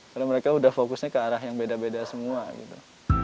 karena mereka sudah fokusnya ke arah yang beda beda semua gitu